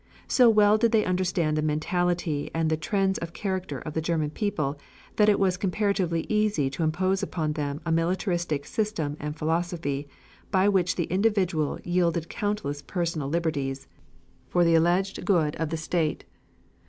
So well did they understand the mentality and the trends of character of the German people that it was comparatively easy to impose upon them a militaristic system and philosophy by which the individual yielded countless personal liberties for the alleged good of the state.